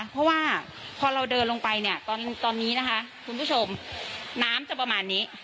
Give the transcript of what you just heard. เพราะว่าพอเราเดินลงไปเนี่ยตอนนี้นะคะคุณผู้ชมน้ำจะประมาณนี้